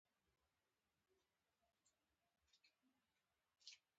زمونږ پوهنتون اته پوهنځي لري